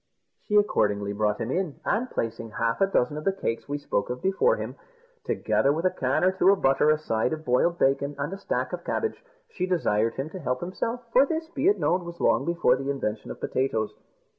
She accordingly brought him in, and placing half a dozen of the cakes we spoke of before him, together with a can or two of butter, a side of boiled bacon, and a stack of cabbage, she desired him to help himself for this, be it known, was long before the invention of potatoes.